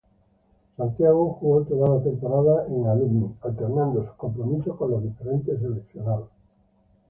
Santiago jugó todas las temporadas en Alumni alternando sus compromisos con los diferentes seleccionados.